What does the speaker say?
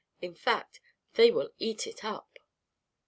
In fact, they will eat it up."